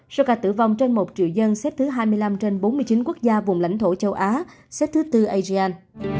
số ca tử vong trên một triệu dân xếp thứ hai mươi năm trên bốn mươi chín quốc gia vùng lãnh thổ châu á xếp thứ tư asean